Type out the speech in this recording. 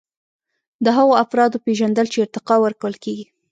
د هغو افرادو پیژندل چې ارتقا ورکول کیږي.